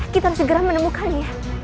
kita harus segera menemukannya